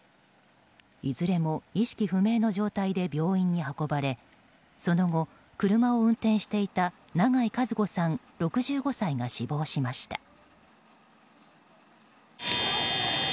いずれも意識不明の状態で病院に運ばれその後、車を運転していた永井和子さん、６５歳が死亡しました。